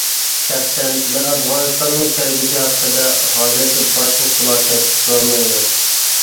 شەخسەن مەن ئافغانىستاننىڭ كەلگۈسى ھەققىدە ھازىرچە باشقا خۇلاسە چىقىرالمايمەن.